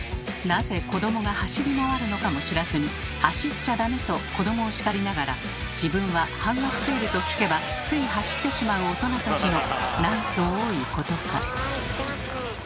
なぜ子どもが走り回るのかも知らずに「走っちゃダメ！」と子どもを叱りながら自分は「半額セール」と聞けばつい走ってしまう大人たちのなんと多いことか。